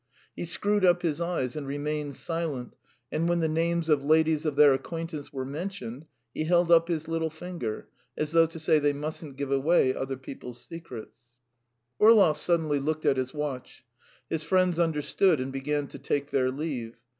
He screwed up his eyes and remained silent, and when the names of ladies of their acquaintance were mentioned, he held up his little finger as though to say they mustn't give away other people's secrets. Orlov suddenly looked at his watch. His friends understood, and began to take their leave.